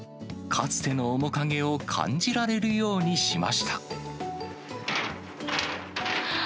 かつての面影を感じられるようにしました。